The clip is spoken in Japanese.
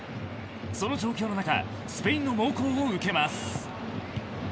その状況の中スペインの猛攻を受けます。